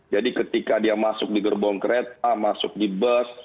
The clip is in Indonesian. jadi ketika dia masuk di gerbong kereta masuk di bus